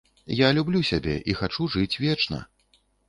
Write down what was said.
Я люблю сябе і хачу жыць вечна.